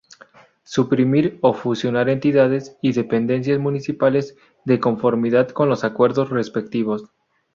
Suprimir o fusionar entidades y dependencias municipales, de conformidad con los acuerdos respectivos.